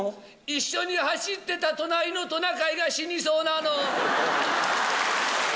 一緒に走ってた隣のトナカイが死にそうなの。